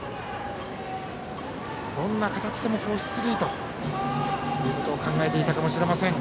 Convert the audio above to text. どんな形でも出塁ということを考えていたのかもしれません。